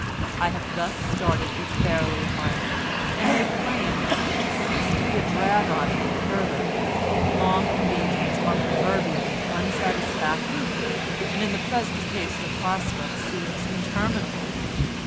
I have thus started you fairly in life, and may claim that you should cease to be a drag upon me further. Long engagements are proverbially unsatisfactory, and in the present case the prospect seems interminable.